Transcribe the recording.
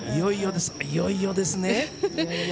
いよいよですね。